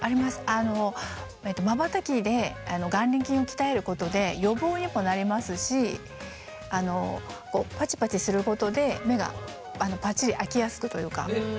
あのまばたきで眼輪筋を鍛えることで予防にもなりますしあのこうパチパチすることで目がパッチリ開きやすくというか。